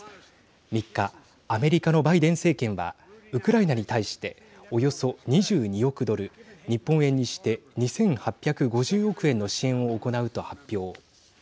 ３日アメリカのバイデン政権はウクライナに対しておよそ２２億ドル日本円にして２８５０億円の支援を行うと発表。